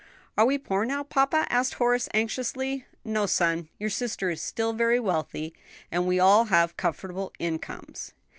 "Are we poor now, papa?" asked Horace anxiously. "No, son; your sister is still very wealthy, and we all have comfortable incomes."